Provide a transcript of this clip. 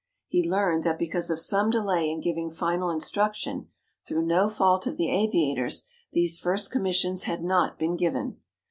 He learned that because of some delay in giving final instruction, through no fault of the aviators, these first commissions had not been given.